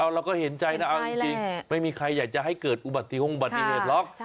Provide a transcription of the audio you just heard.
เราก็เห็นใจนะเอาจริงไม่มีใครอยากจะให้เกิดอุบัติเหตุหรอก